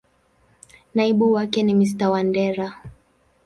Naibu wake ni Mr.Wandera.